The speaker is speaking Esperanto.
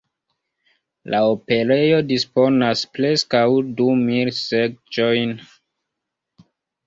La operejo disponas preskaŭ du mil seĝojn.